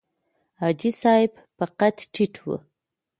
حاجي صاحب په قد ټیټ و.